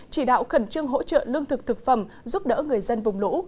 chỉ đạo khẩn trương hỗ trợ lương thực thực phẩm giúp đỡ người dân vùng lũ